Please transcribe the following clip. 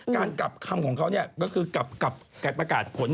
การกลับคำของเขาก็คือกับการประกาศผล